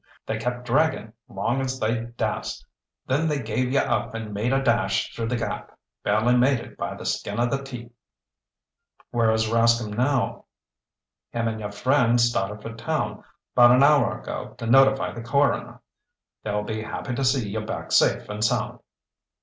They kept draggin', long as they dast. Then they gave you up and made a dash through the gap. Barely made it by the skin o' their teeth." "Where is Rascomb now?" "Him and your friend started for town 'bout an hour ago to notify the coroner. They'll be happy to see you back safe and sound."